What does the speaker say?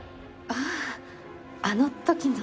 あああの時の。